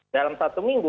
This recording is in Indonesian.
dalam satu minggu